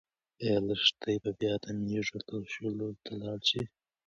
ايا لښتې به بیا د مېږو لوشلو ته لاړه شي؟